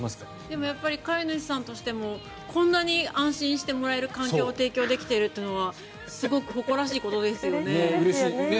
でもやっぱり飼い主さんとしてもこんなに安心してもらえる環境を提供できているのはすごく誇らしいことですよね。